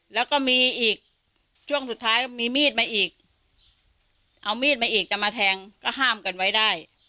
แล้วก็มีอีกช่วงสุดท้ายก็มีมีดมาอีกเอามีดมาอีกจะมาแทงก็ห้ามกันไว้ได้